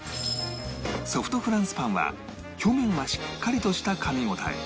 ソフトフランスパンは表面はしっかりとしたかみ応え